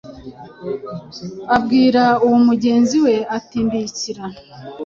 abwira uwo mugenzi we ati: “Mbikira